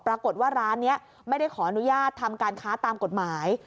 ปรากฏว่าร้านนี้ไม่ได้ขออนุญาตทำการค้าตามกฎหมาย